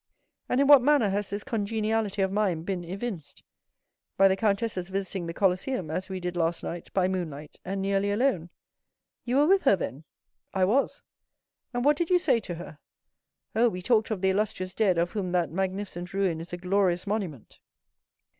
"And in what manner has this congeniality of mind been evinced?" "By the countess's visiting the Colosseum, as we did last night, by moonlight, and nearly alone." "You were with her, then?" "I was." "And what did you say to her?" "Oh, we talked of the illustrious dead of whom that magnificent ruin is a glorious monument!"